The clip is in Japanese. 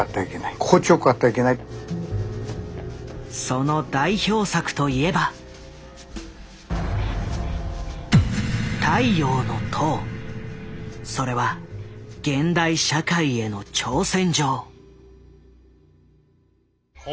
その代表作といえばそれは現代社会への挑戦状。